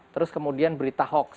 terus kemudian berita hoax